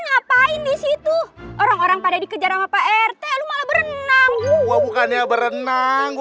lagi ngapain disitu orang orang pada dikejar sama pak rt lu malah berenang gua bukannya berenang